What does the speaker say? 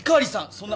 そんな！